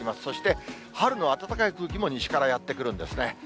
そして、春の暖かい空気も西からやって来るんですね。